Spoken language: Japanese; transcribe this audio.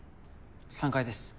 ３階です。